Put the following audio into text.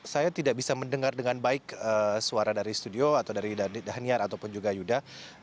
saya tidak bisa mendengar dengan baik suara dari studio atau dari dhaniar ataupun juga yuda